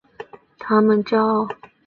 姑且再交战使他们骄傲。